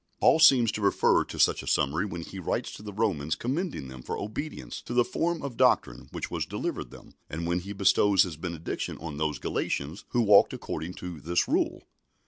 Paul seems to refer to such a summary when he writes to the Romans commending them for obedience to the "form of doctrine" which was delivered them, and when he bestows his benediction on those Galatians who walked according to "this rule."